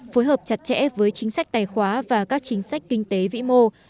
phối hợp chặt chẽ với chính sách tài khoá và các chính sách kinh tế vĩ mô